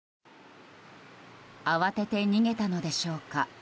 慌てて逃げたのでしょうか。